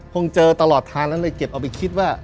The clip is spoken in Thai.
คงเจอตลอดทางแล้วเลยเก็บเอาไปคิดว่า